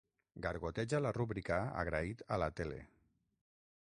Gargoteja la rúbrica agraït a la tele.